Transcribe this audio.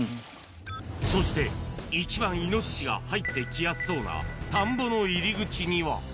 そして、一番イノシシが入ってきやすそうな田んぼの入り口には。